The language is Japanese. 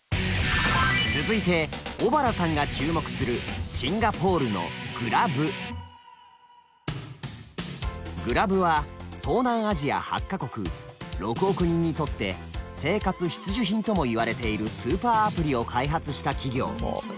続いて尾原さんが注目するグラブは東南アジア８か国６億人にとって生活必需品ともいわれているスーパーアプリを開発した企業。